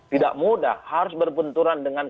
tidak mudah harus berbenturan dengan